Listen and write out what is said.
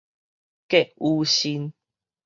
郭雨新